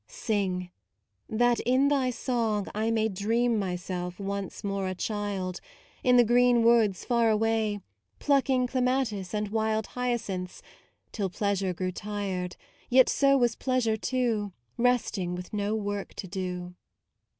Sing, that in thy song I may Dream myself once more a child 96 MAUDE In the green woods far away Plucking clematis and wild Hyacinths, till pleasure grew Tired, yet so was pleasure too, Resting with no work to do.